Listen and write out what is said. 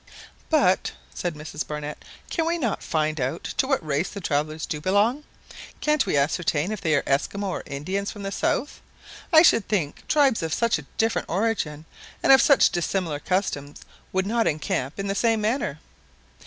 "But," said Mrs Barnett, "cannot we find out to what race the travellers do belong? Can't we ascertain if they be Esquimaux or Indians from the south? I should think tribes of such a different origin, and of such dissimilar customs, would not encamp in the same manner."